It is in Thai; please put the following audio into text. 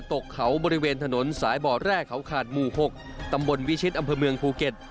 ตกเขาบริเวณถนนสายบ่อแร่เขาขาดหมู่๖ตำบลวิชิตอำเภอเมืองภูเก็ต